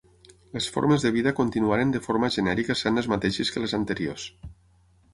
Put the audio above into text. Les formes de vida continuaren de forma genèrica sent les mateixes que les anteriors.